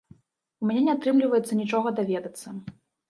У мяне не атрымліваецца нічога даведацца.